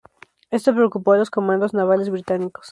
Esto preocupó a los comandos navales británicos.